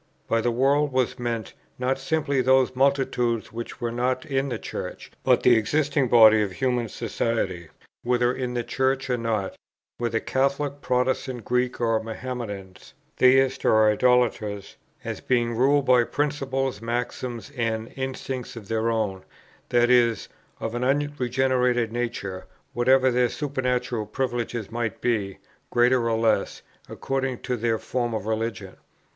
By the world was meant, not simply those multitudes which were not in the Church, but the existing body of human society, whether in the Church or not, whether Catholics, Protestants, Greeks, or Mahometans, theists or idolaters, as being ruled by principles, maxims, and instincts of their own, that is, of an unregenerate nature, whatever their supernatural privileges might be, greater or less, according to their form of religion.